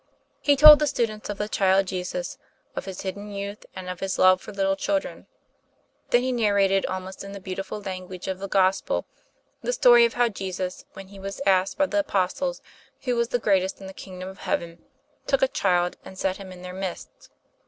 He told the students of the child Jesus; of His hidden youth, and of His love for little children. Then he narrated, almost in the beautiful language of the Gospel, the story of how Jesus, when He was asked by the apostles who was the greatest in the kingdom of heaven, took a child and set him in their midst.